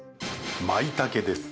まいたけです。